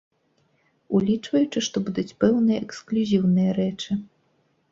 Улічваючы, што будуць пэўныя эксклюзіўныя рэчы.